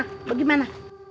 untuk hal hal baiknya